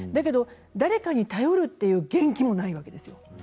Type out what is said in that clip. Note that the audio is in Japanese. でも誰かに頼るという元気もないわけですよ。